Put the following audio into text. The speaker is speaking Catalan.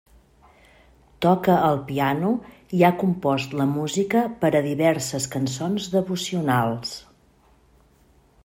Toca el piano i ha compost la música per a diverses cançons devocionals.